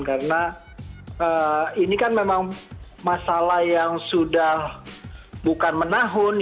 karena ini kan memang masalah yang sudah bukan menah